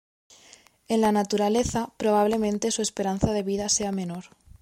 En la naturaleza probablemente su esperanza de vida sea menor.